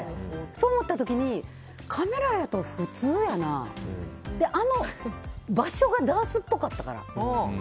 そう思った時にカメラやと普通やなあの場所がダンスっぽかったから。